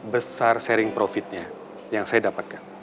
besar sharing profitnya yang saya dapatkan